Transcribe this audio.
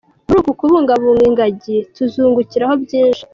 Muri uku kubungabunga ingagi, tuzungukiraho byinshi.